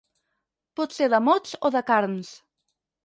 Pot ser de mots o de carns.